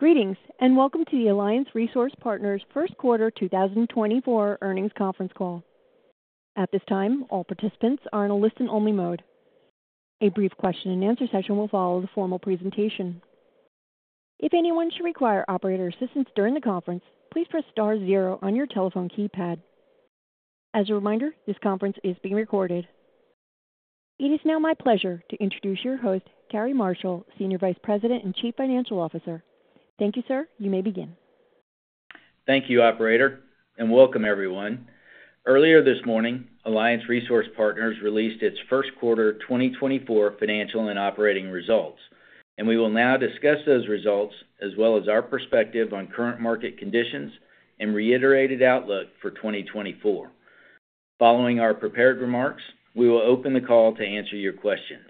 Greetings, and welcome to the Alliance Resource Partners first quarter 2024 earnings conference call. At this time, all participants are in a listen-only mode. A brief question-and-answer session will follow the formal presentation. If anyone should require operator assistance during the conference, please press star zero on your telephone keypad. As a reminder, this conference is being recorded. It is now my pleasure to introduce your host, Cary Marshall, Senior Vice President and Chief Financial Officer. Thank you, sir. You may begin. Thank you, operator, and welcome, everyone. Earlier this morning, Alliance Resource Partners released its first quarter 2024 financial and operating results, and we will now discuss those results as well as our perspective on current market conditions and reiterated outlook for 2024. Following our prepared remarks, we will open the call to answer your questions.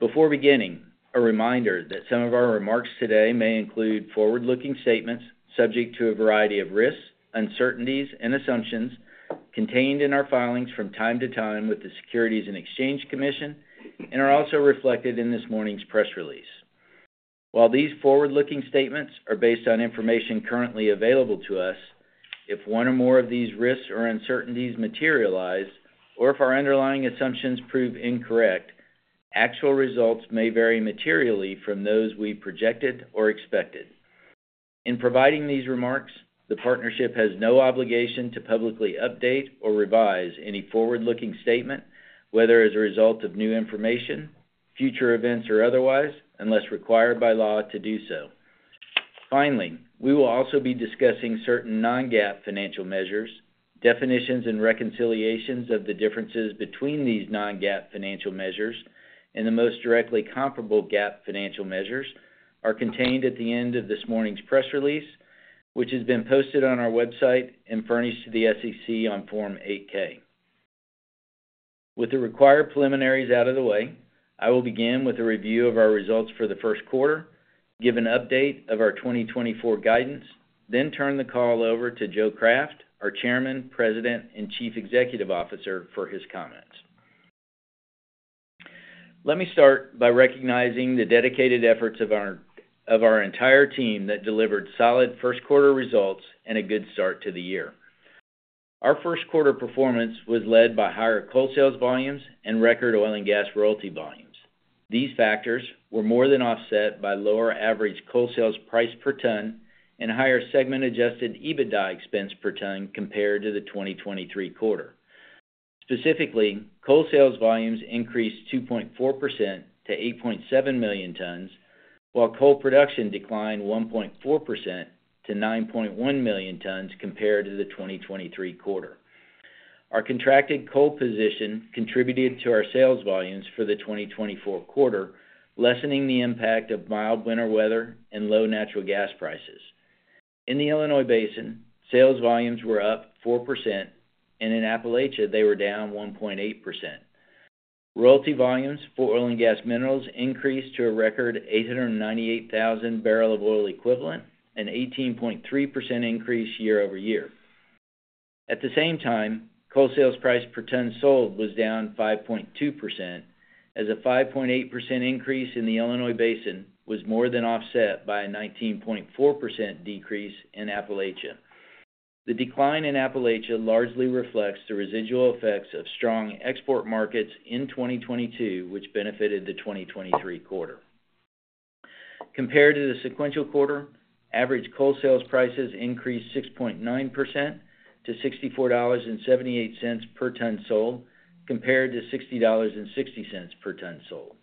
Before beginning, a reminder that some of our remarks today may include forward-looking statements subject to a variety of risks, uncertainties, and assumptions contained in our filings from time to time with the Securities and Exchange Commission and are also reflected in this morning's press release. While these forward-looking statements are based on information currently available to us, if one or more of these risks or uncertainties materialize, or if our underlying assumptions prove incorrect, actual results may vary materially from those we projected or expected. In providing these remarks, the partnership has no obligation to publicly update or revise any forward-looking statement, whether as a result of new information, future events, or otherwise, unless required by law to do so. Finally, we will also be discussing certain non-GAAP financial measures. Definitions, and reconciliations of the differences between these non-GAAP financial measures and the most directly comparable GAAP financial measures are contained at the end of this morning's press release, which has been posted on our website and furnished to the SEC on Form 8-K. With the required preliminaries out of the way, I will begin with a review of our results for the first quarter, give an update of our 2024 guidance, then turn the call over to Joe Craft, our Chairman, President, and Chief Executive Officer, for his comments. Let me start by recognizing the dedicated efforts of our entire team that delivered solid first quarter results and a good start to the year. Our first quarter performance was led by higher coal sales volumes and record oil and gas royalty volumes. These factors were more than offset by lower average coal sales price per ton and higher Segment Adjusted EBITDA expense per ton compared to the 2023 quarter. Specifically, coal sales volumes increased 2.4% to 8.7 million tons, while coal production declined 1.4% to 9.1 million tons compared to the 2023 quarter. Our contracted coal position contributed to our sales volumes for the 2024 quarter, lessening the impact of mild winter weather and low natural gas prices. In the Illinois Basin, sales volumes were up 4%, and in Appalachia, they were down 1.8%. Royalty volumes for oil and gas minerals increased to a record 898,000 barrel of oil equivalent, an 18.3% increase YoY. At the same time, coal sales price per ton sold was down 5.2%, as a 5.8% increase in the Illinois Basin was more than offset by a 19.4% decrease in Appalachia. The decline in Appalachia largely reflects the residual effects of strong export markets in 2022, which benefited the 2023 quarter. Compared to the sequential quarter, average coal sales prices increased 6.9% to $64.78 per ton sold, compared to $60.60 per ton sold.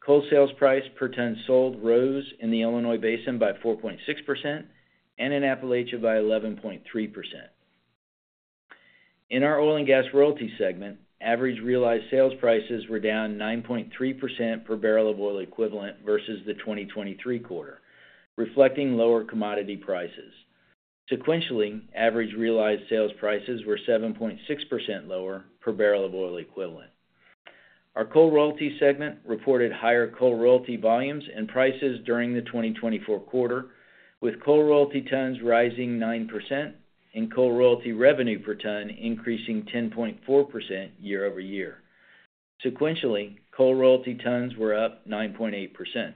Coal sales price per ton sold rose in the Illinois Basin by 4.6% and in Appalachia by 11.3%. In our oil and gas royalty segment, average realized sales prices were down 9.3% per barrel of oil equivalent versus the 2023 quarter, reflecting lower commodity prices. Sequentially, average realized sales prices were 7.6% lower per barrel of oil equivalent. Our coal royalty segment reported higher coal royalty volumes and prices during the 2024 quarter, with coal royalty tons rising 9% and coal royalty revenue per ton increasing 10.4% YoY. Sequentially, coal royalty tons were up 9.8%.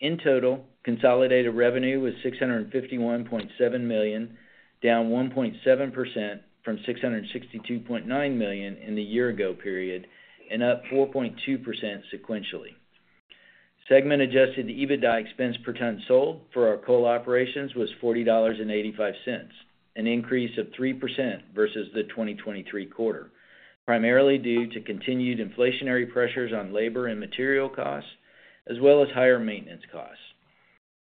In total, consolidated revenue was $651.7 million, down 1.7% from $662.9 million in the year ago period and up 4.2% sequentially. Segment Adjusted EBITDA expense per ton sold for our coal operations was $40.85, an increase of 3% versus the 2023 quarter, primarily due to continued inflationary pressures on labor and material costs, as well as higher maintenance costs.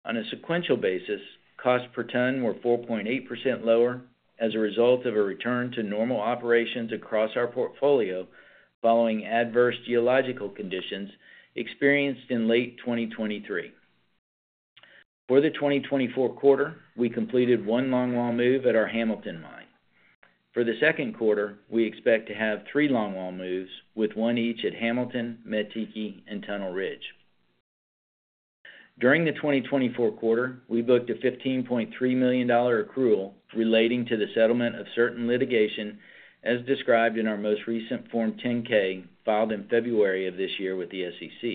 On a sequential basis, costs per ton were 4.8% lower as a result of a return to normal operations across our portfolio following adverse geological conditions experienced in late 2023. For the 2024 quarter, we completed one longwall move at our Hamilton mine. For the second quarter, we expect to have three longwall moves, with one each at Hamilton, Metiki, and Tunnel Ridge. During the 2024 quarter, we booked a $15.3 million accrual relating to the settlement of certain litigation, as described in our most recent Form 10-K, filed in February of this year with the SEC.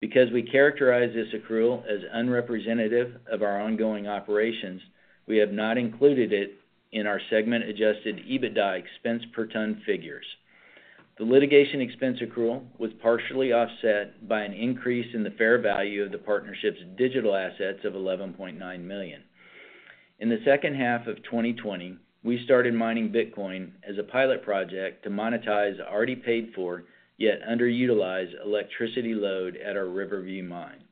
Because we characterize this accrual as unrepresentative of our ongoing operations, we have not included it in our Segment Adjusted EBITDA expense per ton figures. The litigation expense accrual was partially offset by an increase in the fair value of the partnership's digital assets of $11.9 million. In the second half of 2020, we started mining Bitcoin as a pilot project to monetize already paid for, yet underutilized electricity load at our Riverview Mine.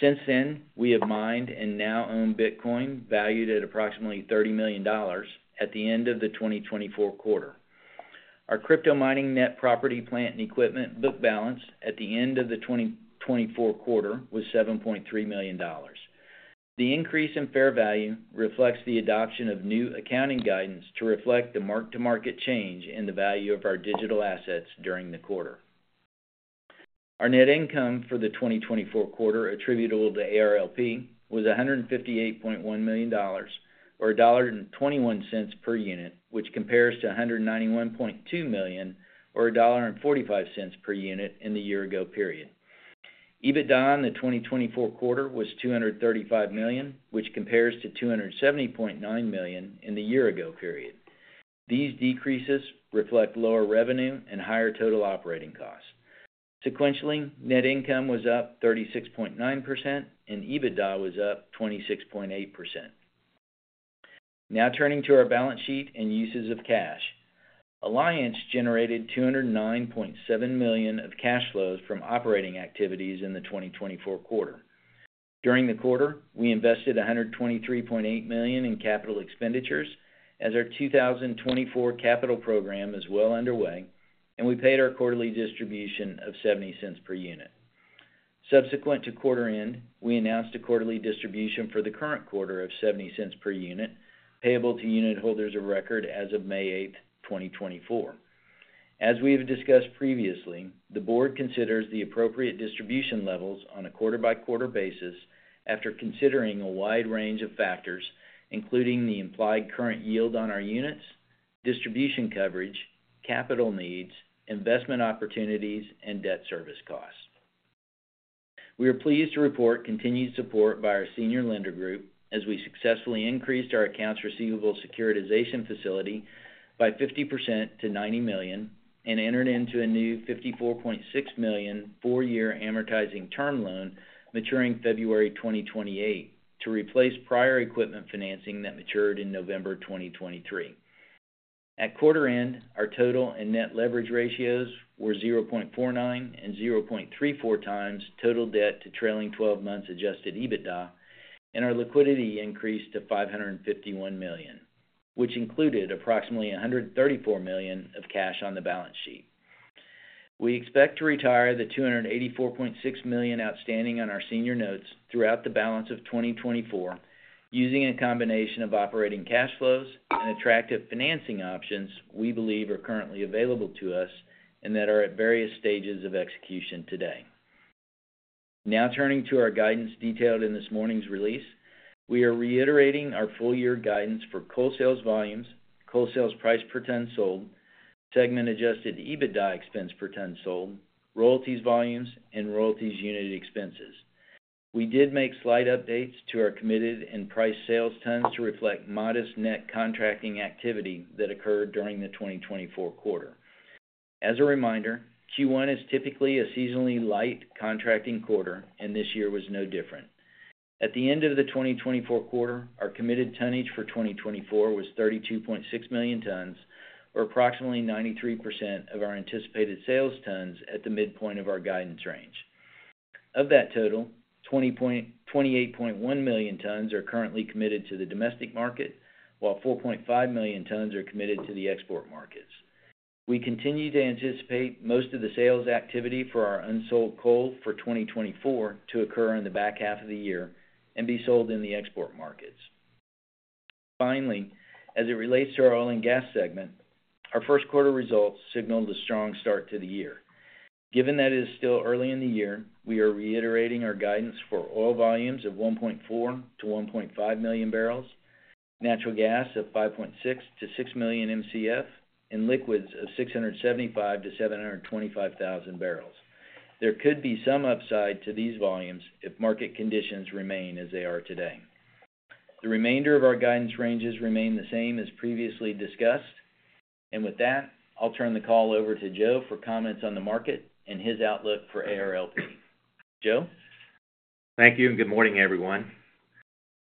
Since then, we have mined and now own Bitcoin, valued at approximately $30 million at the end of the 2024 quarter. Our crypto mining net property, plant, and equipment book balance at the end of the 2024 quarter was $7.3 million. The increase in fair value reflects the adoption of new accounting guidance to reflect the mark-to-market change in the value of our digital assets during the quarter. Our net income for the 2024 quarter attributable to ARLP was $158.1 million, or $1.21 per unit, which compares to $191.2 million, or $1.45 per unit in the year-ago period. EBITDA in the 2024 quarter was $235 million, which compares to $270.9 million in the year-ago period. These decreases reflect lower revenue and higher total operating costs. Sequentially, net income was up 36.9%, and EBITDA was up 26.8%. Now turning to our balance sheet and uses of cash. Alliance generated $209.7 million of cash flows from operating activities in the 2024 quarter. During the quarter, we invested $123.8 million in capital expenditures as our 2024 capital program is well underway, and we paid our quarterly distribution of $0.70 per unit. Subsequent to quarter end, we announced a quarterly distribution for the current quarter of $0.70 per unit, payable to unitholders of record as of May 8, 2024. As we have discussed previously, the board considers the appropriate distribution levels on a quarter-by-quarter basis after considering a wide range of factors, including the implied current yield on our units, distribution coverage, capital needs, investment opportunities, and debt service costs. We are pleased to report continued support by our senior lender group as we successfully increased our accounts receivable securitization facility by 50% to $90 million and entered into a new $54.6 million, four-year amortizing term loan maturing February 2028 to replace prior equipment financing that matured in November 2023. At quarter end, our total and net leverage ratios were 0.49 and 0.34 times total debt to trailing twelve months adjusted EBITDA, and our liquidity increased to $551 million, which included approximately $134 million of cash on the balance sheet. We expect to retire the $284.6 million outstanding on our senior notes throughout the balance of 2024, using a combination of operating cash flows and attractive financing options we believe are currently available to us and that are at various stages of execution today. Now, turning to our guidance detailed in this morning's release. We are reiterating our full-year guidance for coal sales volumes, coal sales price per ton sold, Segment-Adjusted EBITDA expense per ton sold, royalties volumes, and royalties unit expenses. We did make slight updates to our committed and priced sales tons to reflect modest net contracting activity that occurred during the 2024 quarter. As a reminder, Q1 is typically a seasonally light contracting quarter, and this year was no different. At the end of the 2024 quarter, our committed tonnage for 2024 was 32.6 million tons, or approximately 93% of our anticipated sales tons at the midpoint of our guidance range. Of that total, 28.1 million tons are currently committed to the domestic market, while 4.5 million tons are committed to the export markets. We continue to anticipate most of the sales activity for our unsold coal for 2024 to occur in the back half of the year and be sold in the export markets. Finally, as it relates to our oil and gas segment, our first quarter results signaled a strong start to the year. Given that it is still early in the year, we are reiterating our guidance for oil volumes of 1.4-1.5 million barrels, natural gas of 5.6-6 million Mcf, and liquids of 675-725 thousand barrels. There could be some upside to these volumes if market conditions remain as they are today. The remainder of our guidance ranges remain the same as previously discussed. And with that, I'll turn the call over to Joe for comments on the market and his outlook for ARLP. Joe? Thank you, and good morning, everyone.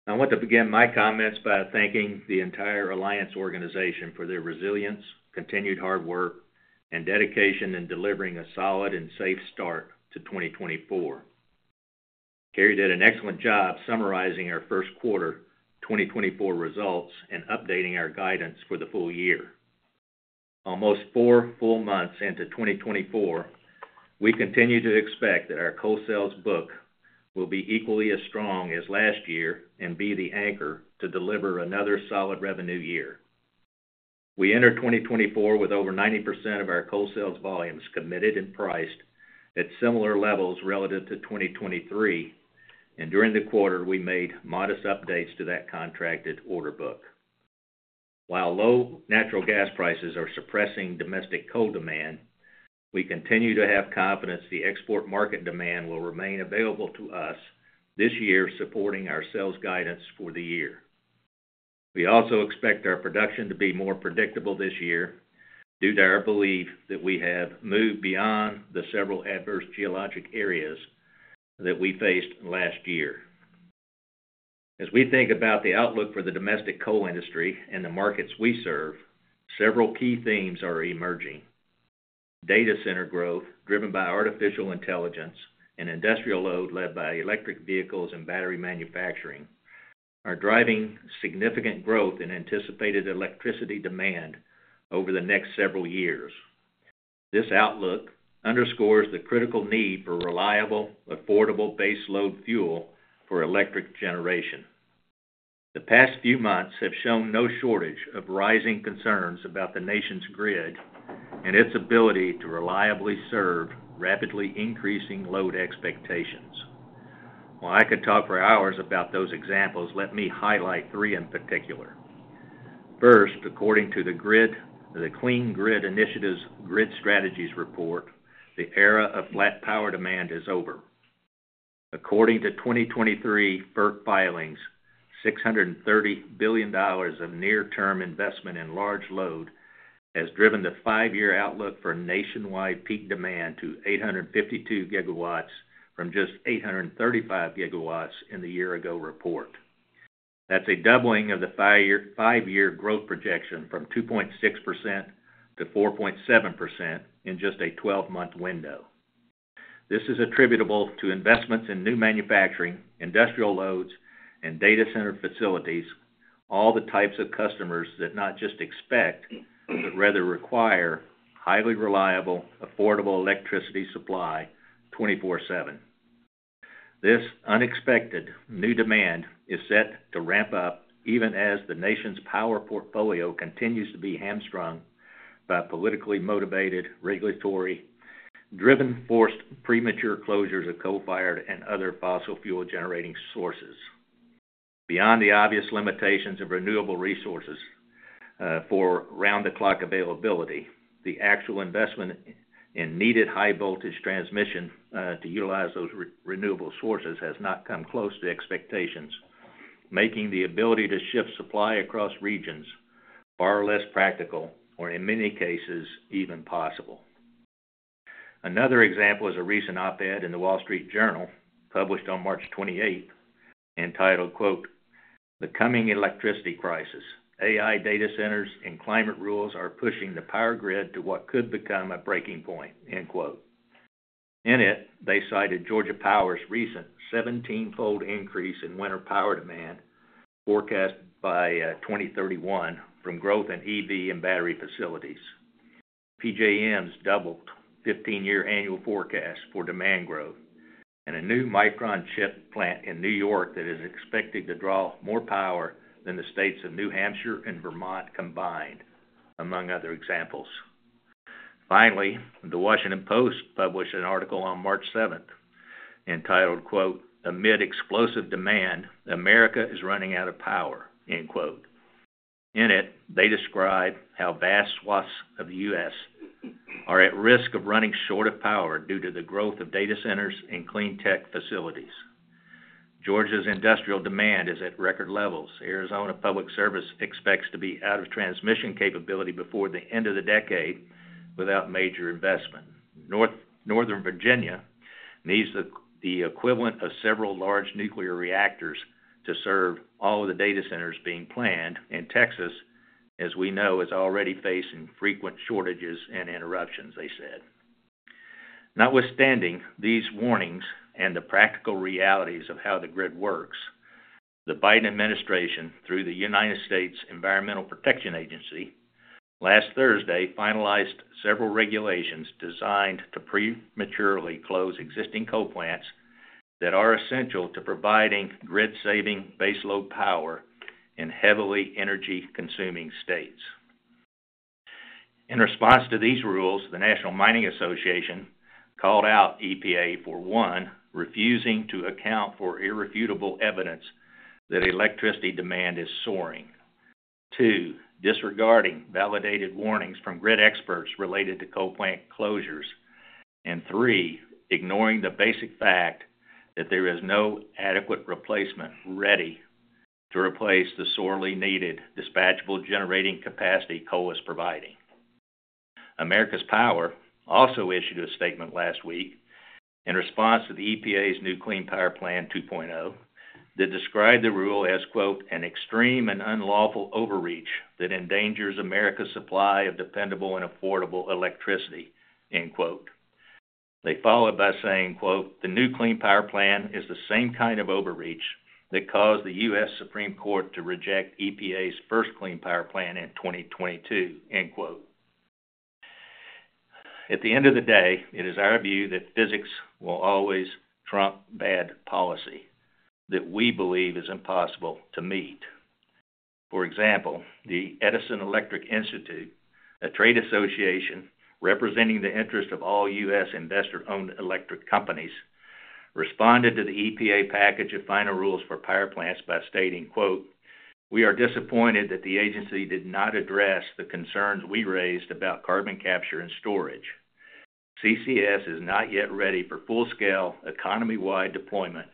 I want to begin my comments by thanking the entire Alliance organization for their resilience, continued hard work, and dedication in delivering a solid and safe start to 2024. Cary did an excellent job summarizing our first quarter 2024 results and updating our guidance for the full year. Almost 4 full months into 2024, we continue to expect that our coal sales book will be equally as strong as last year and be the anchor to deliver another solid revenue year. We entered 2024 with over 90% of our coal sales volumes committed and priced at similar levels relative to 2023, and during the quarter, we made modest updates to that contracted order book.... While low natural gas prices are suppressing domestic coal demand, we continue to have confidence the export market demand will remain available to us this year, supporting our sales guidance for the year. We also expect our production to be more predictable this year, due to our belief that we have moved beyond the several adverse geologic areas that we faced last year. As we think about the outlook for the domestic coal industry and the markets we serve, several key themes are emerging. Data center growth, driven by artificial intelligence and industrial load, led by electric vehicles and battery manufacturing, are driving significant growth in anticipated electricity demand over the next several years. This outlook underscores the critical need for reliable, affordable baseload fuel for electric generation. The past few months have shown no shortage of rising concerns about the nation's grid and its ability to reliably serve rapidly increasing load expectations. While I could talk for hours about those examples, let me highlight three in particular. First, according to the grid, the Clean Grid Initiative's Grid Strategies report, the era of flat power demand is over. According to 2023 FERC filings, $630 billion of near-term investment in large load has driven the five-year outlook for nationwide peak demand to 852 gigawatts, from just 835 gigawatts in the year-ago report. That's a doubling of the five-year, five-year growth projection from 2.6% to 4.7% in just a 12-month window. This is attributable to investments in new manufacturing, industrial loads, and data center facilities, all the types of customers that not just expect, but rather require highly reliable, affordable electricity supply 24/7. This unexpected new demand is set to ramp up, even as the nation's power portfolio continues to be hamstrung by politically motivated, regulatory-driven, forced, premature closures of coal-fired and other fossil fuel-generating sources. Beyond the obvious limitations of renewable resources for round-the-clock availability, the actual investment in needed high-voltage transmission to utilize those renewable sources has not come close to expectations, making the ability to shift supply across regions far less practical or in many cases, even possible. Another example is a recent op-ed in The Wall Street Journal, published on March 28th, entitled, quote, "The Coming Electricity Crisis: AI Data Centers and Climate Rules are Pushing the Power Grid to What Could Become a Breaking Point," end quote. In it, they cited Georgia Power's recent 17-fold increase in winter power demand, forecast by 2031 from growth in EV and battery facilities. PJM's doubled 15-year annual forecast for demand growth, and a new Micron chip plant in New York that is expected to draw more power than the states of New Hampshire and Vermont combined, among other examples. Finally, The Washington Post published an article on March 7th, entitled, quote, "Amid Explosive Demand, America is Running Out of Power," end quote. In it, they describe how vast swaths of the U.S. are at risk of running short of power due to the growth of data centers and clean tech facilities. Georgia's industrial demand is at record levels. Arizona Public Service expects to be out of transmission capability before the end of the decade without major investment. Northern Virginia needs the equivalent of several large nuclear reactors to serve all of the data centers being planned, and Texas, as we know, is already facing frequent shortages and interruptions, they said. Notwithstanding these warnings and the practical realities of how the grid works, the Biden administration, through the United States Environmental Protection Agency, last Thursday, finalized several regulations designed to prematurely close existing coal plants that are essential to providing grid-saving baseload power in heavily energy-consuming states. In response to these rules, the National Mining Association called out EPA for, one, refusing to account for irrefutable evidence that electricity demand is soaring. two, disregarding validated warnings from grid experts related to coal plant closures. And three, ignoring the basic fact that there is no adequate replacement ready to replace the sorely needed dispatchable generating capacity coal is providing. America's Power also issued a statement last week in response to the EPA's new Clean Power Plan 2.0, that described the rule as, quote, "An extreme and unlawful overreach that endangers America's supply of dependable and affordable electricity," end quote. They followed by saying, quote, "The new Clean Power Plan is the same kind of overreach that caused the U.S. Supreme Court to reject EPA's first Clean Power Plan in 2022," end quote. At the end of the day, it is our view that physics will always trump bad policy that we believe is impossible to meet. For example, the Edison Electric Institute, a trade association representing the interests of all U.S. investor-owned electric companies, responded to the EPA package of final rules for power plants by stating, quote, "We are disappointed that the agency did not address the concerns we raised about carbon capture and storage. CCS is not yet ready for full-scale, economy-wide deployment,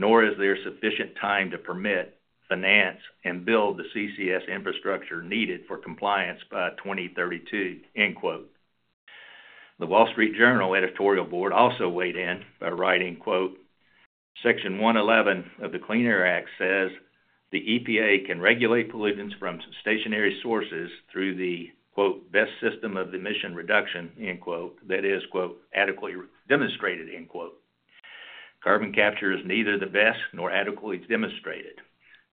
nor is there sufficient time to permit, finance, and build the CCS infrastructure needed for compliance by 2032." End quote. The Wall Street Journal editorial board also weighed in by writing, quote, "Section 111 of the Clean Air Act says the EPA can regulate pollutants from stationary sources through the, quote, best system of emission reduction, end quote. That is, quote, adequately demonstrated, end quote. Carbon capture is neither the best nor adequately demonstrated.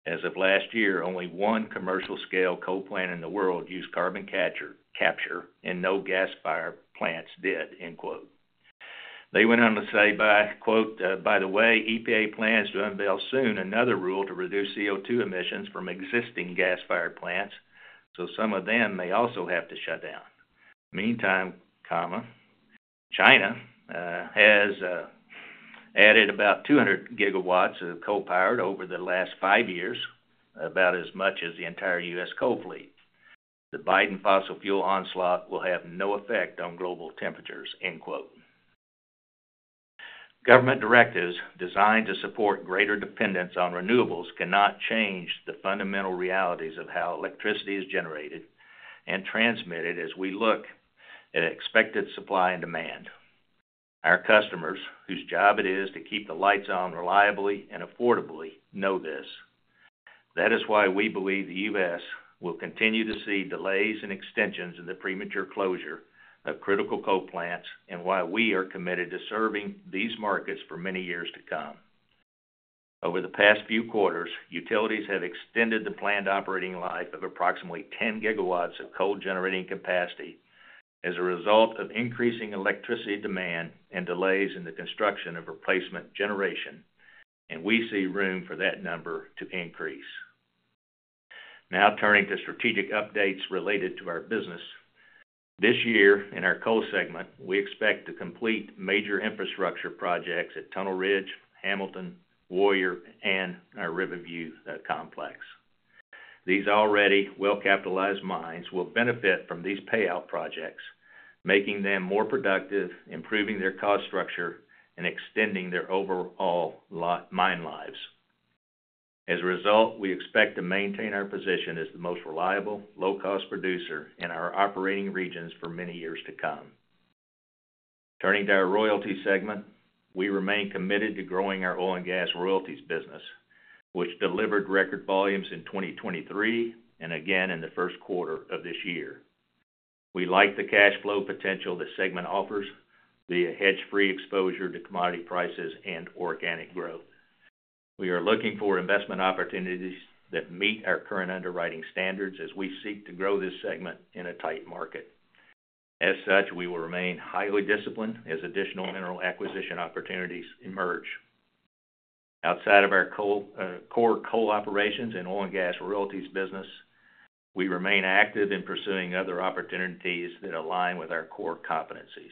As of last year, only one commercial-scale coal plant in the world used carbon capture, and no gas-fired plants did. End quote. They went on to say, quote, "By the way, EPA plans to unveil soon another rule to reduce CO2 emissions from existing gas-fired plants, so some of them may also have to shut down. Meantime, China has added about 200 gigawatts of coal power over the last five years, about as much as the entire U.S. coal fleet. The Biden fossil fuel onslaught will have no effect on global temperatures." End quote. Government directives designed to support greater dependence on renewables cannot change the fundamental realities of how electricity is generated and transmitted as we look at expected supply and demand. Our customers, whose job it is to keep the lights on reliably and affordably, know this. That is why we believe the U.S. will continue to see delays and extensions in the premature closure of critical coal plants, and why we are committed to serving these markets for many years to come. Over the past few quarters, utilities have extended the planned operating life of approximately 10 gigawatts of coal-generating capacity as a result of increasing electricity demand and delays in the construction of replacement generation, and we see room for that number to increase. Now, turning to strategic updates related to our business. This year, in our coal segment, we expect to complete major infrastructure projects at Tunnel Ridge, Hamilton, Warrior, and our Riverview complex. These already well-capitalized mines will benefit from these payout projects, making them more productive, improving their cost structure, and extending their overall long mine lives. As a result, we expect to maintain our position as the most reliable, low-cost producer in our operating regions for many years to come. Turning to our royalty segment, we remain committed to growing our oil and gas royalties business, which delivered record volumes in 2023 and again in the first quarter of this year. We like the cash flow potential the segment offers via hedge-free exposure to commodity prices and organic growth. We are looking for investment opportunities that meet our current underwriting standards as we seek to grow this segment in a tight market. As such, we will remain highly disciplined as additional mineral acquisition opportunities emerge. Outside of our coal, core coal operations and oil and gas royalties business, we remain active in pursuing other opportunities that align with our core competencies.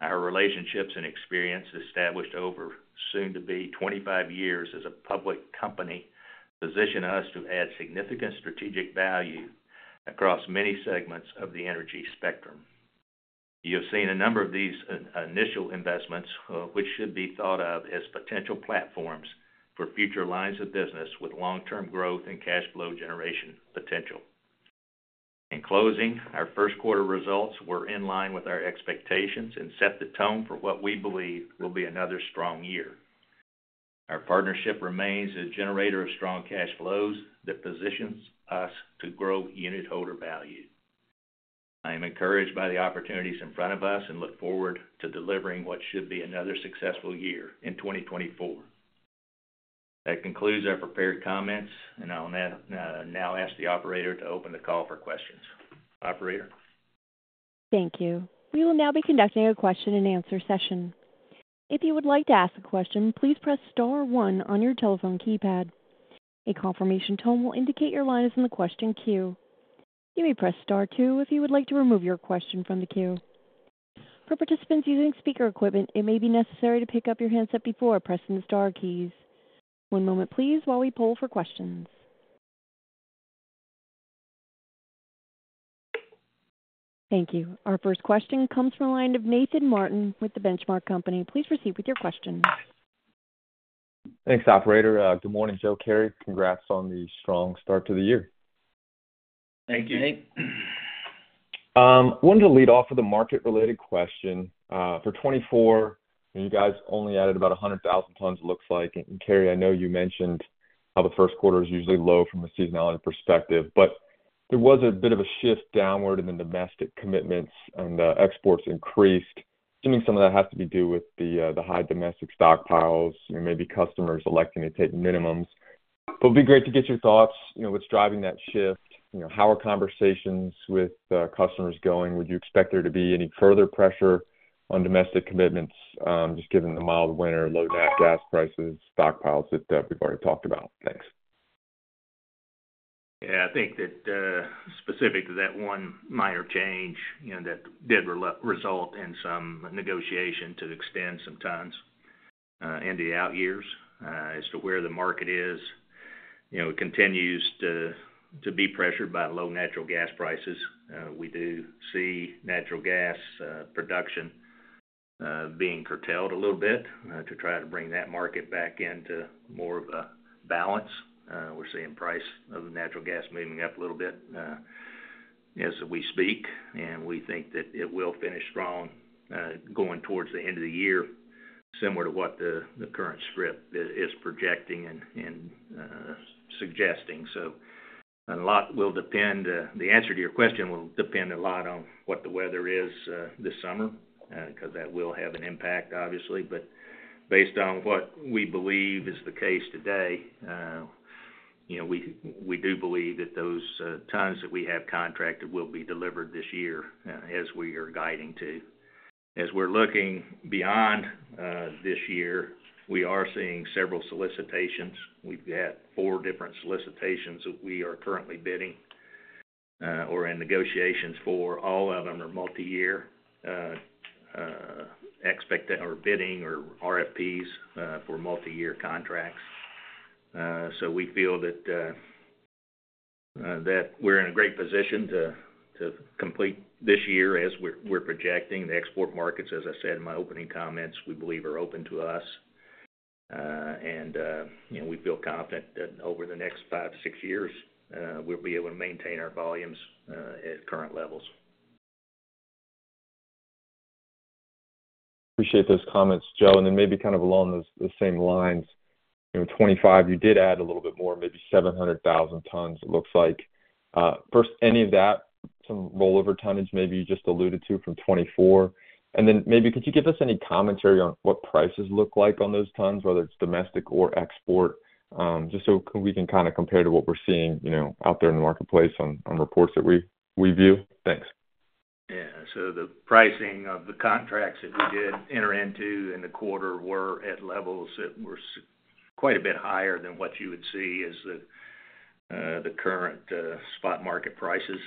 Our relationships and experience, established over soon to be 25 years as a public company, position us to add significant strategic value across many segments of the energy spectrum. You have seen a number of these initial investments, which should be thought of as potential platforms for future lines of business with long-term growth and cash flow generation potential. In closing, our first quarter results were in line with our expectations and set the tone for what we believe will be another strong year. Our partnership remains a generator of strong cash flows that positions us to grow unitholder value. I am encouraged by the opportunities in front of us and look forward to delivering what should be another successful year in 2024. That concludes our prepared comments, and I'll now, now ask the operator to open the call for questions. Operator? Thank you. We will now be conducting a question-and-answer session. If you would like to ask a question, please press star one on your telephone keypad. A confirmation tone will indicate your line is in the question queue. You may press Star two if you would like to remove your question from the queue. For participants using speaker equipment, it may be necessary to pick up your handset before pressing the star keys. One moment please while we poll for questions. Thank you. Our first question comes from the line of Nathan Martin with The Benchmark Company. Please proceed with your question. Thanks, operator. Good morning, Joe, Cary. Congrats on the strong start to the year. Thank you, Nate. Wanted to lead off with a market-related question. For 2024, and you guys only added about 100,000 tons, it looks like. And Cary, I know you mentioned how the first quarter is usually low from a seasonality perspective, but there was a bit of a shift downward in the domestic commitments and exports increased. Assuming some of that has to do with the high domestic stockpiles and maybe customers electing to take minimums. But it'd be great to get your thoughts, you know, what's driving that shift? You know, how are conversations with customers going? Would you expect there to be any further pressure on domestic commitments, just given the mild winter, low nat gas prices, stockpiles that we've already talked about? Thanks.... Yeah, I think that, specific to that one minor change, you know, that did result in some negotiation to extend some tons in the out years. As to where the market is, you know, it continues to be pressured by low natural gas prices. We do see natural gas production being curtailed a little bit to try to bring that market back into more of a balance. We're seeing price of the natural gas moving up a little bit as we speak, and we think that it will finish strong going towards the end of the year, similar to what the current strip is projecting and suggesting. So a lot will depend, the answer to your question will depend a lot on what the weather is, this summer, 'cause that will have an impact, obviously. But based on what we believe is the case today, you know, we, we do believe that those tons that we have contracted will be delivered this year, as we are guiding to. As we're looking beyond this year, we are seeing several solicitations. We've got four different solicitations that we are currently bidding or in negotiations for. All of them are multi-year, bidding or RFPs for multi-year contracts. So we feel that that we're in a great position to, to complete this year as we're, we're projecting. The export markets, as I said in my opening comments, we believe are open to us. You know, we feel confident that over the next five-six years, we'll be able to maintain our volumes at current levels. Appreciate those comments, Joe. And then maybe kind of along those, the same lines, you know, 25, you did add a little bit more, maybe 700,000 tons, it looks like. First, any of that, some rollover tonnage, maybe you just alluded to from 2024? And then maybe could you give us any commentary on what prices look like on those tons, whether it's domestic or export, just so we can kinda compare to what we're seeing, you know, out there in the marketplace on, on reports that we, we view? Thanks. Yeah. So the pricing of the contracts that we did enter into in the quarter were at levels that were quite a bit higher than what you would see as the current spot market prices.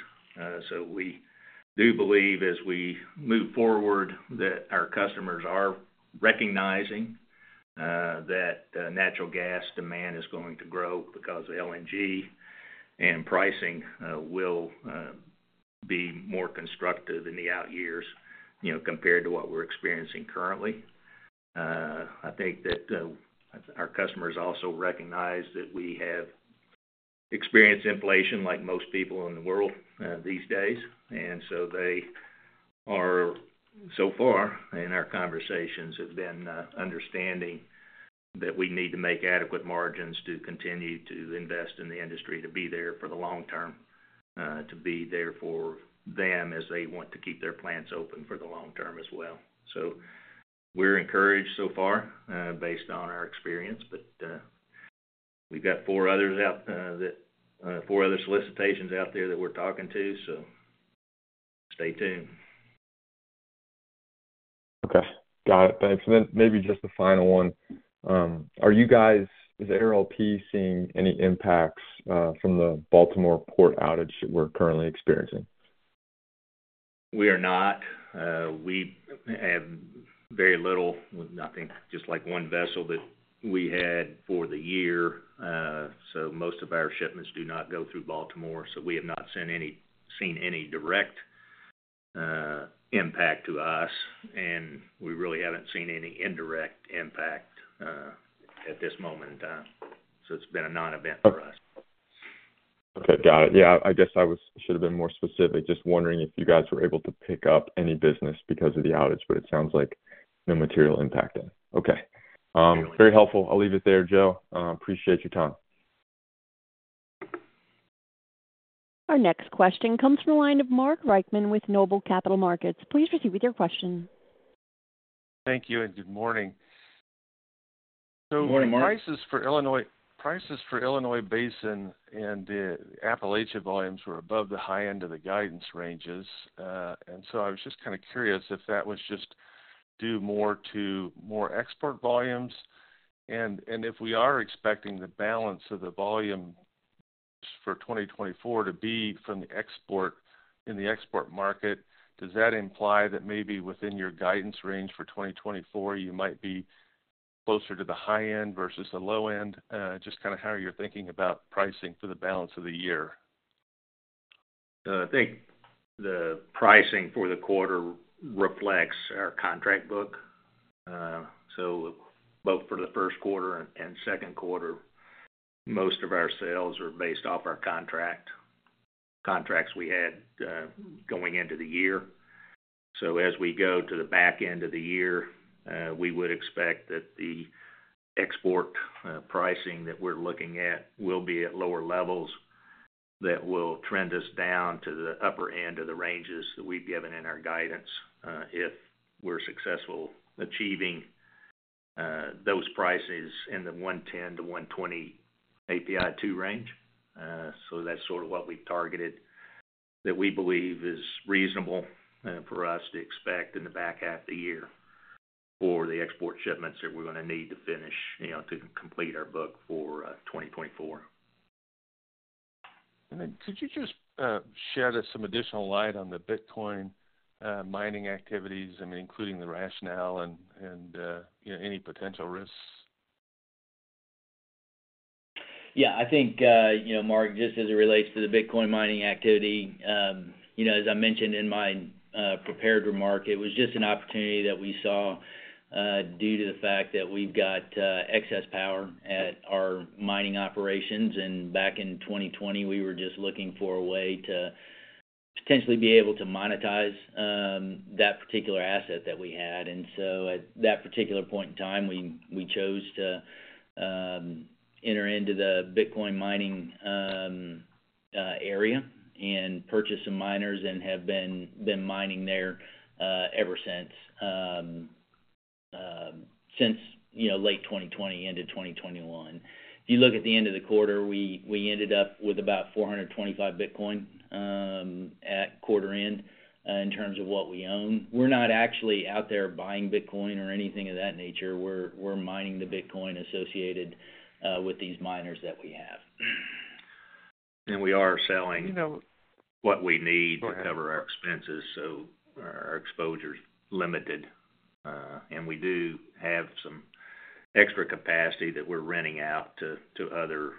So we do believe, as we move forward, that our customers are recognizing that natural gas demand is going to grow because LNG and pricing will be more constructive in the out years, you know, compared to what we're experiencing currently. I think that our customers also recognize that we have experienced inflation like most people in the world these days, and so they are, so far in our conversations, have been understanding that we need to make adequate margins to continue to invest in the industry, to be there for the long term, to be there for them as they want to keep their plants open for the long term as well. So we're encouraged so far based on our experience, but we've got four others out, four other solicitations out there that we're talking to, so stay tuned. Okay. Got it. Thanks. And then maybe just a final one. Are you guys, is ARLP seeing any impacts from the Baltimore port outage that we're currently experiencing? We are not. We have very little, nothing, just like one vessel that we had for the year. So most of our shipments do not go through Baltimore, so we have not seen any, seen any direct impact to us, and we really haven't seen any indirect impact at this moment in time. So it's been a non-event for us. Okay, got it. Yeah, I guess I should have been more specific. Just wondering if you guys were able to pick up any business because of the outage, but it sounds like no material impact then. Okay. Very helpful. I'll leave it there, Joe. Appreciate your time. Our next question comes from the line of Mark Reichman with Noble Capital Markets. Please proceed with your question. Thank you, and good morning. Good morning, Mark. So prices for Illinois, prices for Illinois Basin and the Appalachia volumes were above the high end of the guidance ranges. And so I was just kinda curious if that was just due more to more export volumes. And if we are expecting the balance of the volumes for 2024 to be from the export, in the export market, does that imply that maybe within your guidance range for 2024, you might be closer to the high end versus the low end? Just kinda how you're thinking about pricing for the balance of the year. I think the pricing for the quarter reflects our contract book. So both for the first quarter and, and second quarter, most of our sales are based off our contract, contracts we had going into the year. So as we go to the back end of the year, we would expect that the export pricing that we're looking at will be at lower levels that will trend us down to the upper end of the ranges that we've given in our guidance, if we're successful achieving those prices in the 110-120 API2 range. So that's sort of what we've targeted, that we believe is reasonable for us to expect in the back half of the year... for the export shipments that we're gonna need to finish, you know, to complete our book for 2024. And then could you just shed us some additional light on the Bitcoin mining activities, I mean, including the rationale and you know, any potential risks? Yeah, I think, you know, Mark, just as it relates to the Bitcoin mining activity, you know, as I mentioned in my prepared remark, it was just an opportunity that we saw due to the fact that we've got excess power at our mining operations. And back in 2020, we were just looking for a way to potentially be able to monetize that particular asset that we had. And so at that particular point in time, we chose to enter into the Bitcoin mining area and purchase some miners and have been mining there ever since, you know, since late 2020 into 2021. If you look at the end of the quarter, we ended up with about 425 Bitcoin at quarter end, in terms of what we own. We're not actually out there buying Bitcoin or anything of that nature. We're mining the Bitcoin associated with these miners that we have. And we are selling- You know- What we need. Go ahead. - to cover our expenses, so our exposure's limited. And we do have some extra capacity that we're renting out to other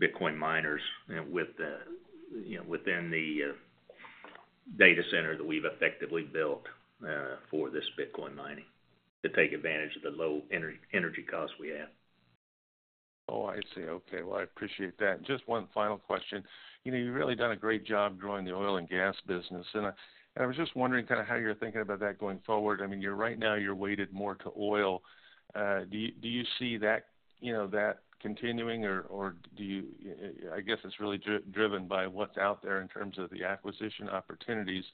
Bitcoin miners, you know, within the data center that we've effectively built for this Bitcoin mining to take advantage of the low energy costs we have. Oh, I see. Okay. Well, I appreciate that. Just one final question. You know, you've really done a great job growing the oil and gas business, and I was just wondering kind of how you're thinking about that going forward. I mean, you're right now weighted more to oil. Do you see that, you know, that continuing, or do you... I guess it's really driven by what's out there in terms of the acquisition opportunities.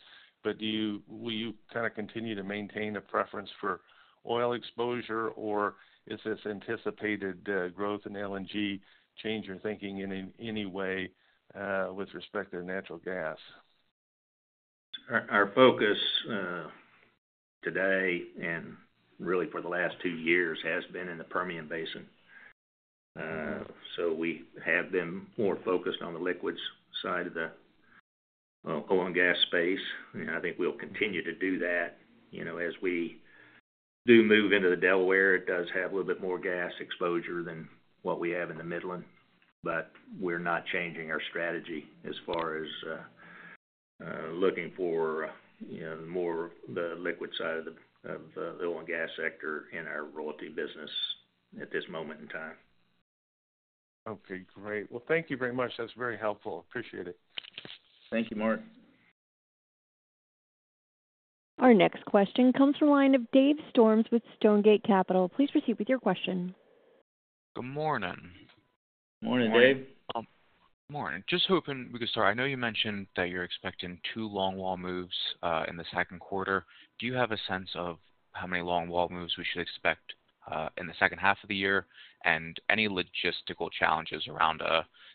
But will you kind of continue to maintain a preference for oil exposure, or has this anticipated growth in LNG change your thinking in any way with respect to natural gas? Our focus today, and really for the last two years, has been in the Permian Basin. So we have been more focused on the liquids side of the, well, oil and gas space, and I think we'll continue to do that. You know, as we do move into the Delaware, it does have a little bit more gas exposure than what we have in the Midland, but we're not changing our strategy as far as looking for, you know, more of the liquid side of the oil and gas sector in our royalty business at this moment in time. Okay, great. Well, thank you very much. That's very helpful. Appreciate it. Thank you, Mark. Our next question comes from the line of Dave Storms with Stonegate Capital. Please proceed with your question. Good morning. Morning, Dave. Morning. Just hoping we could start. I know you mentioned that you're expecting two longwall moves in the second quarter. Do you have a sense of how many longwall moves we should expect in the second half of the year, and any logistical challenges around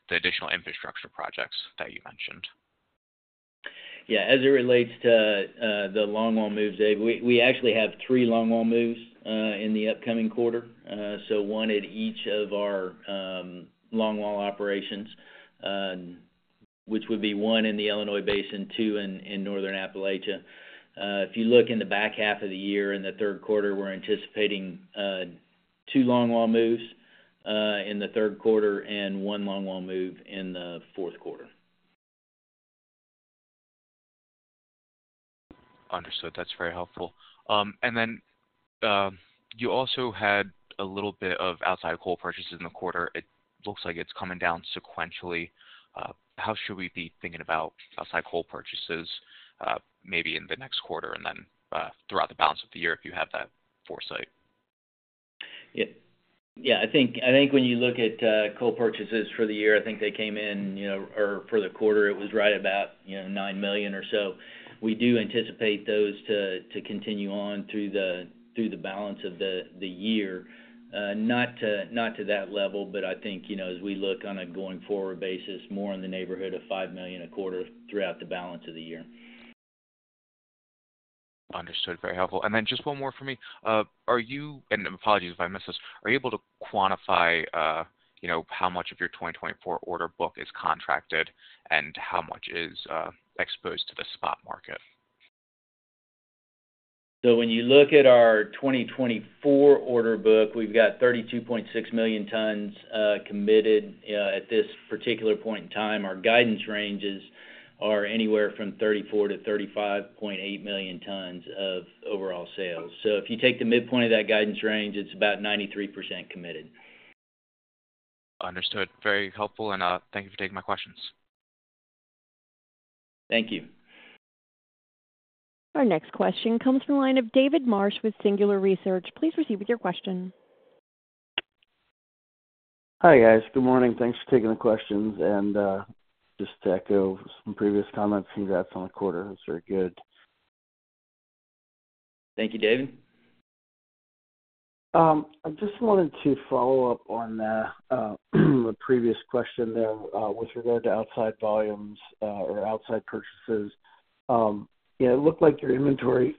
the additional infrastructure projects that you mentioned? Yeah. As it relates to the longwall moves, Dave, we, we actually have three longwall moves in the upcoming quarter. So one at each of our longwall operations, which would be one in the Illinois Basin, two in Northern Appalachia. If you look in the back half of the year, in the third quarter, we're anticipating two longwall moves in the third quarter and one longwall move in the fourth quarter. Understood. That's very helpful. And then, you also had a little bit of outside coal purchases in the quarter. It looks like it's coming down sequentially. How should we be thinking about outside coal purchases, maybe in the next quarter and then, throughout the balance of the year, if you have that foresight? Yeah. Yeah, I think, I think when you look at coal purchases for the year, I think they came in, you know, or for the quarter, it was right about, you know, 9 million or so. We do anticipate those to continue on through the balance of the year. Not to that level, but I think, you know, as we look on a going-forward basis, more in the neighborhood of 5 million a quarter throughout the balance of the year. Understood. Very helpful. And then just one more for me. And apologies if I missed this, are you able to quantify, you know, how much of your 2024 order book is contracted and how much is exposed to the spot market? So when you look at our 2024 order book, we've got 32.6 million tons committed at this particular point in time. Our guidance ranges are anywhere from 34-35.8 million tons of overall sales. So if you take the midpoint of that guidance range, it's about 93% committed. Understood. Very helpful, and thank you for taking my questions. Thank you. Our next question comes from the line of David Marsh with Singular Research. Please proceed with your question. Hi, guys. Good morning. Thanks for taking the questions. Just to echo some previous comments, congrats on the quarter. It was very good. Thank you, David.... I just wanted to follow up on, the previous question there, with regard to outside volumes, or outside purchases. Yeah, it looked like your inventory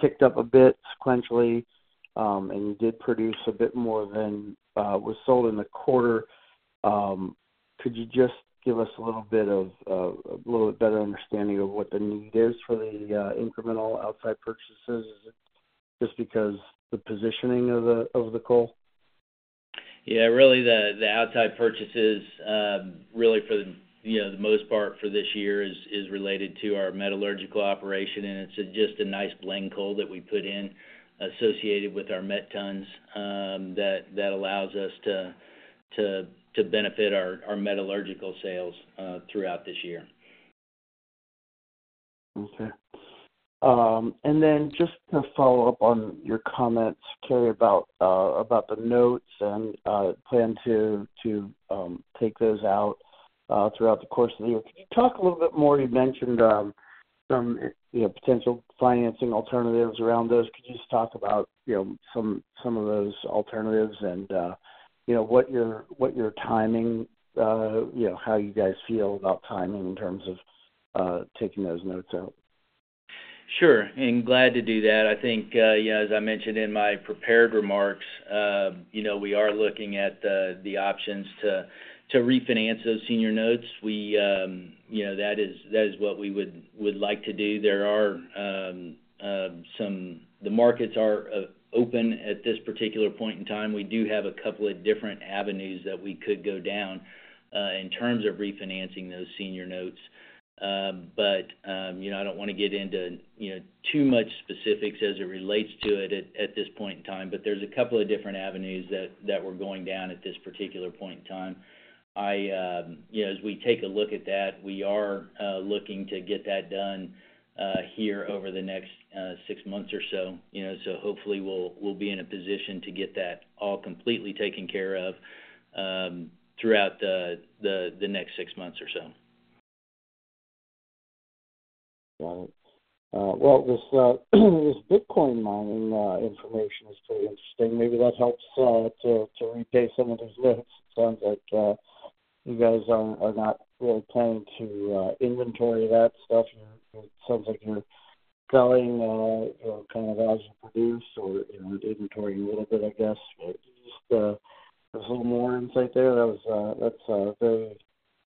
ticked up a bit sequentially, and you did produce a bit more than, was sold in the quarter. Could you just give us a little bit of, a little better understanding of what the need is for the, incremental outside purchases? Is it just because the positioning of the, of the coal? Yeah, really, the outside purchases, really for the, you know, the most part for this year is related to our metallurgical operation, and it's just a nice blend coal that we put in associated with our met tons, that allows us to benefit our metallurgical sales throughout this year. Okay. And then just to follow up on your comments, Cary, about the notes and plan to take those out throughout the course of the year. Could you talk a little bit more? You mentioned some, you know, potential financing alternatives around those. Could you just talk about, you know, some of those alternatives and, you know, what your timing, you know, how you guys feel about timing in terms of taking those notes out? Sure, and glad to do that. I think, you know, as I mentioned in my prepared remarks, you know, we are looking at the, the options to, to refinance those senior notes. We, you know, that is, that is what we would, would like to do. There are, the markets are, open at this particular point in time. We do have a couple of different avenues that we could go down, in terms of refinancing those senior notes. But, you know, I don't wanna get into, you know, too much specifics as it relates to it at, at this point in time, but there's a couple of different avenues that, that we're going down at this particular point in time. I, you know, as we take a look at that, we are looking to get that done here over the next six months or so. You know, so hopefully we'll, we'll be in a position to get that all completely taken care of throughout the next six months or so. Got it. Well, this, this Bitcoin mining information is pretty interesting. Maybe that helps to repay some of those debts. Sounds like you guys are not really planning to inventory that stuff. It sounds like you're selling or kind of as you produce or, you know, inventorying a little bit, I guess. But just a little more insight there. That's very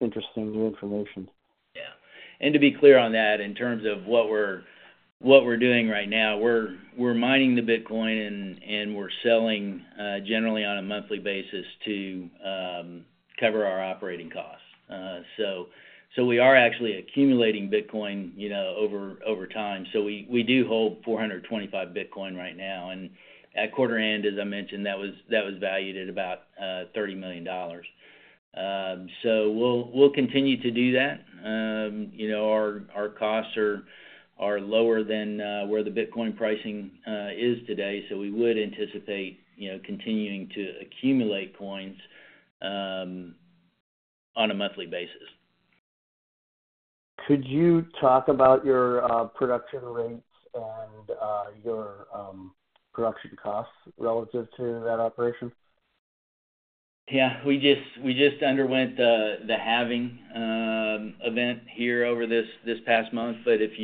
interesting new information. Yeah. And to be clear on that, in terms of what we're doing right now, we're mining the Bitcoin, and we're selling generally on a monthly basis to cover our operating costs. So we are actually accumulating Bitcoin, you know, over time. So we do hold 425 Bitcoin right now, and at quarter end, as I mentioned, that was valued at about $30 million. So we'll continue to do that. You know, our costs are lower than where the Bitcoin pricing is today, so we would anticipate, you know, continuing to accumulate coins on a monthly basis. Could you talk about your production rates and your production costs relative to that operation? Yeah. We just underwent the halving event here over this past month. But if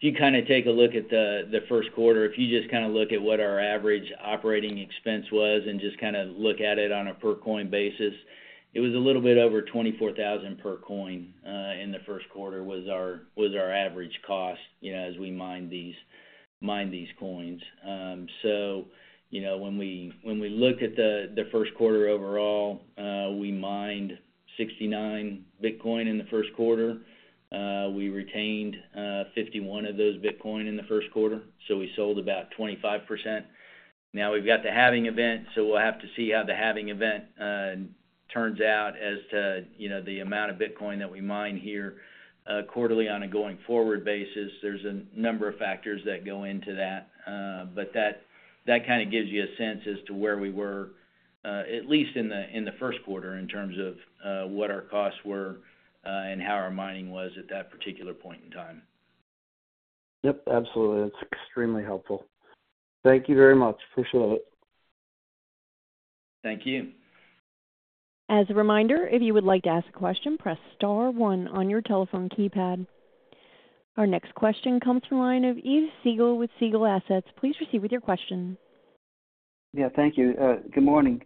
you kind of take a look at the first quarter, if you just kind of look at what our average operating expense was and just kind of look at it on a per coin basis, it was a little bit over $24,000 per coin in the first quarter, was our average cost, you know, as we mined these coins. So you know, when we looked at the first quarter overall, we mined 69 Bitcoin in the first quarter. We retained 51 of those Bitcoin in the first quarter, so we sold about 25%. Now we've got the halving event, so we'll have to see how the halving event turns out as to, you know, the amount of Bitcoin that we mine here quarterly on a going-forward basis. There's a number of factors that go into that, but that kind of gives you a sense as to where we were, at least in the first quarter, in terms of what our costs were and how our mining was at that particular point in time. Yep, absolutely. That's extremely helpful. Thank you very much. Appreciate it. Thank you. As a reminder, if you would like to ask a question, press star one on your telephone keypad. Our next question comes from the line of Yves Siegel with Siegel Assets. Please proceed with your question. Yeah, thank you. Good morning.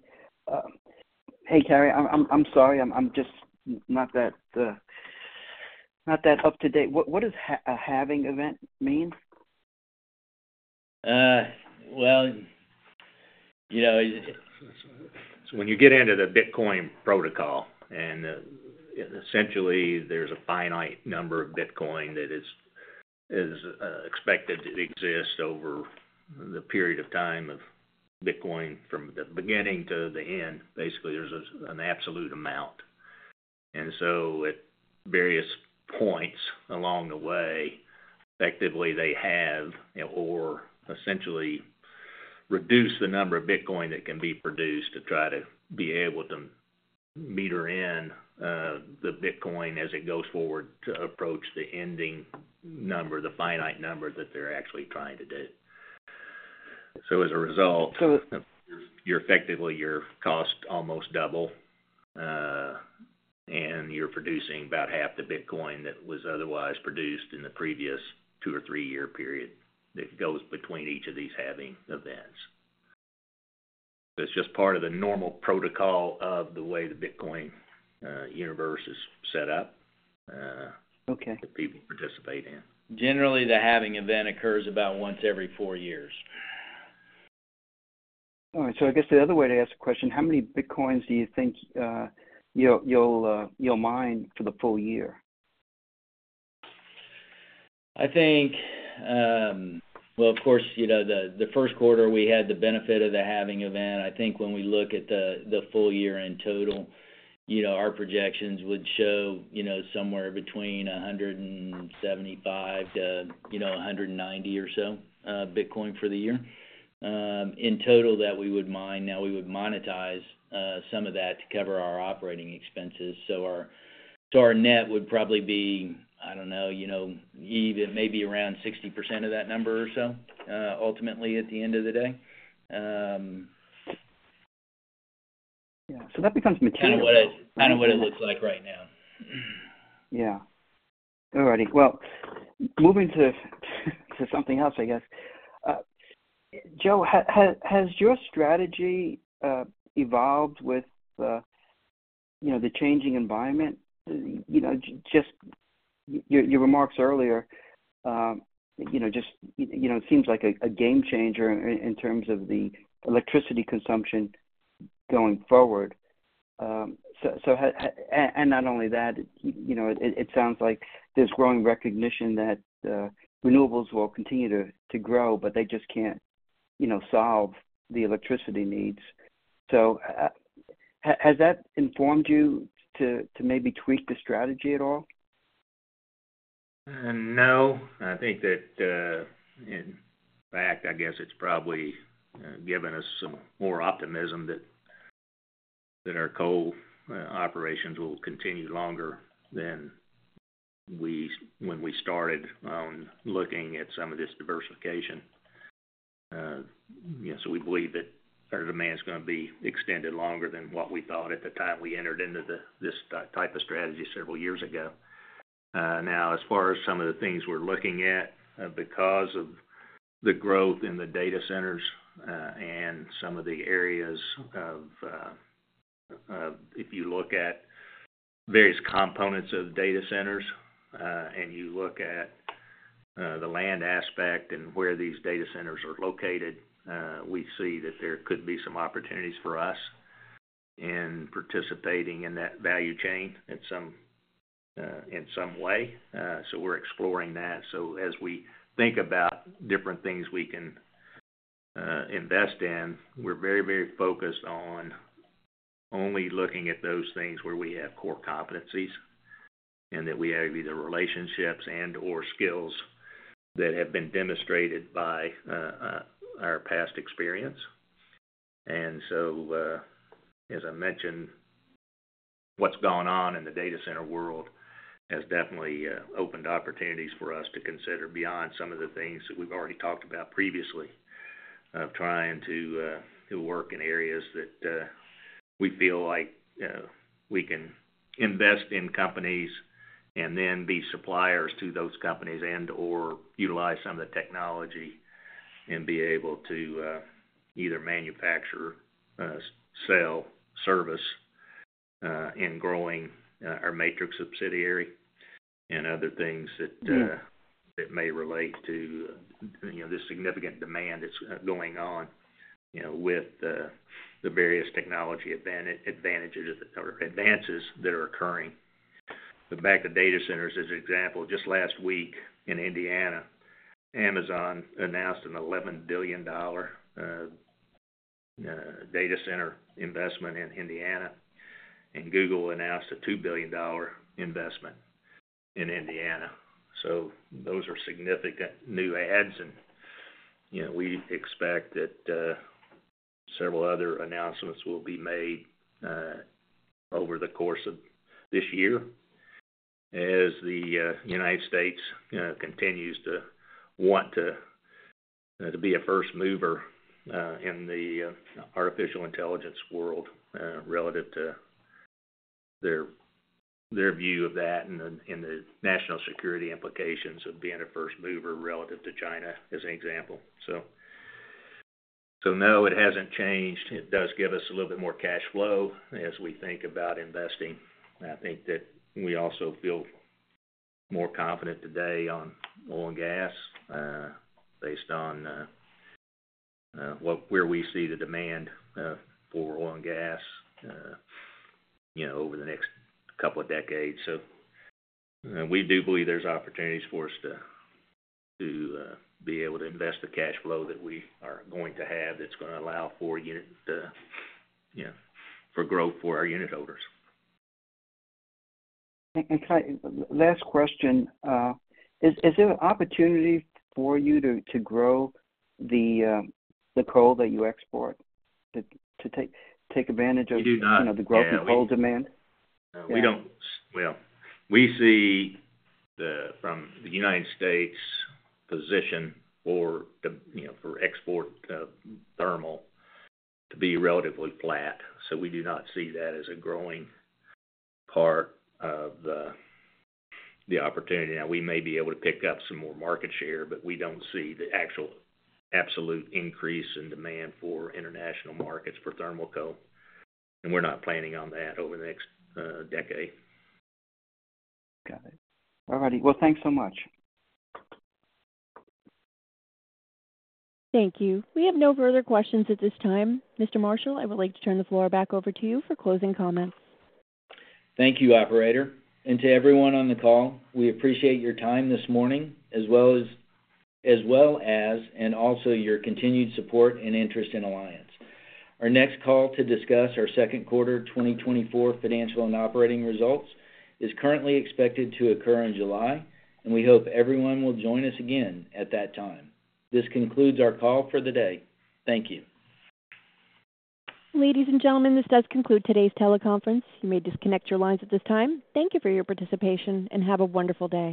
Hey, Cary, I'm sorry, I'm just not that up to date. What does a halving event mean? Well, you know, So when you get into the Bitcoin protocol, and, essentially, there's a finite number of Bitcoin that is expected to exist over the period of time of Bitcoin from the beginning to the end. Basically, there's an absolute amount. And so at various points along the way, effectively, they have or essentially reduce the number of Bitcoin that can be produced to try to be able to-... meter in, the Bitcoin as it goes forward to approach the ending number, the finite number that they're actually trying to do. So as a result, you're effectively, your cost almost double, and you're producing about half the Bitcoin that was otherwise produced in the previous two or three-year period that goes between each of these halving events. It's just part of the normal protocol of the way the Bitcoin universe is set up. Okay. that people participate in. Generally, the halving event occurs about once every four years. All right, so I guess the other way to ask the question, how many Bitcoins do you think you'll mine for the full year? I think, well, of course, you know, the first quarter, we had the benefit of the halving event. I think when we look at the full year in total, you know, our projections would show, you know, somewhere between 175-190 or so Bitcoin for the year, in total, that we would mine. Now, we would monetize some of that to cover our operating expenses. So our net would probably be, I don't know, you know, even maybe around 60% of that number or so, ultimately, at the end of the day. Yeah, so that becomes material. Kind of what it looks like right now. Yeah. All righty. Well, moving to something else, I guess. Joe, has your strategy evolved with, you know, the changing environment? You know, just your remarks earlier, you know, just, you know, it seems like a game changer in terms of the electricity consumption going forward. So, and not only that, you know, it sounds like there's growing recognition that renewables will continue to grow, but they just can't, you know, solve the electricity needs. So, has that informed you to maybe tweak the strategy at all? No. I think that, in fact, I guess it's probably given us some more optimism that our coal operations will continue longer than we started looking at some of this diversification. You know, so we believe that our demand is gonna be extended longer than what we thought at the time we entered into the this type of strategy several years ago. Now, as far as some of the things we're looking at, because of the growth in the data centers and some of the areas of if you look at various components of data centers and you look at the land aspect and where these data centers are located, we see that there could be some opportunities for us in participating in that value chain in some way. So we're exploring that. So as we think about different things we can invest in, we're very, very focused on only looking at those things where we have core competencies, and that we have either relationships and/or skills that have been demonstrated by our past experience. And so, as I mentioned, what's gone on in the data center world has definitely opened opportunities for us to consider beyond some of the things that we've already talked about previously, of trying to work in areas that we feel like we can invest in companies and then be suppliers to those companies and/or utilize some of the technology and be able to either manufacture, sell, service in growing our Matrix subsidiary and other things that- Mm. that may relate to, you know, the significant demand that's going on, you know, with the various technology advantages or advances that are occurring. But back to data centers, as an example, just last week in Indiana, Amazon announced an $11 billion data center investment in Indiana, and Google announced a $2 billion investment in Indiana. So those are significant new adds, and, you know, we expect that several other announcements will be made over the course of this year as the U.S., you know, continues to want to be a first mover in the artificial intelligence world relative to their view of that and the national security implications of being a first mover relative to China, as an example. So, so no, it hasn't changed. It does give us a little bit more cash flow as we think about investing. I think that we also feel more confident today on oil and gas, based on where we see the demand for oil and gas, you know, over the next couple of decades. So, we do believe there's opportunities for us to be able to invest the cash flow that we are going to have, that's gonna allow for unit, you know, for growth for our unit holders. And last question, is there an opportunity for you to grow the coal that you export, to take advantage of- We do not. -you know, the growth in coal demand? We don't... Well, we see the, from the U.S. position for the, you know, for export, thermal to be relatively flat, so we do not see that as a growing part of the, the opportunity. Now, we may be able to pick up some more market share, but we don't see the actual absolute increase in demand for international markets for thermal coal, and we're not planning on that over the next, decade. Got it. All righty. Well, thanks so much. Thank you. We have no further questions at this time. Mr. Marshall, I would like to turn the floor back over to you for closing comments. Thank you, operator. To everyone on the call, we appreciate your time this morning, as well as and also your continued support and interest in Alliance. Our next call to discuss our second quarter 2024 financial and operating results is currently expected to occur in July, and we hope everyone will join us again at that time. This concludes our call for the day. Thank you. Ladies and gentlemen, this does conclude today's teleconference. You may disconnect your lines at this time. Thank you for your participation, and have a wonderful day.